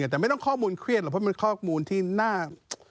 แต่ไม่ต้องข้อมูลเครียดหรอกเพราะมันข้อมูลที่น่า